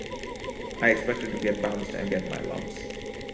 I expected to get bounced and get my lumps.